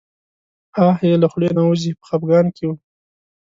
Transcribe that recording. آه یې له خولې نه وځي په خپګان کې و.